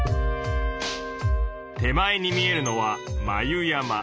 手前に見えるのは眉山。